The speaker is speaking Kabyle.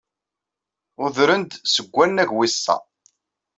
Udren-d seg wannag wis sa.